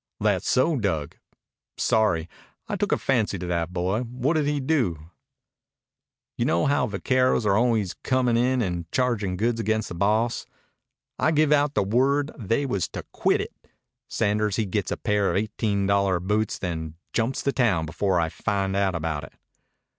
"That so, Dug? Sorry. I took a fancy to that boy. What did he do?" "You know how vaqueros are always comin' in and chargin' goods against the boss. I give out the word they was to quit it. Sanders he gets a pair of eighteen dollar boots, then jumps the town before I find out about it."